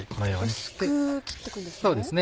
薄く切っていくんですね。